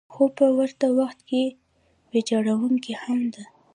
خو په ورته وخت کې ویجاړونکې هم ده.